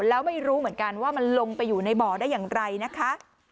แล้วไม่รู้เหมือนกันว่ามันลงไปอยู่ในบ่อได้อย่างไรนะคะ